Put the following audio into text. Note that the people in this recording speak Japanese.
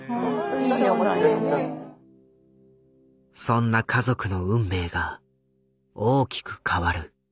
そんな家族の運命が大きく変わる。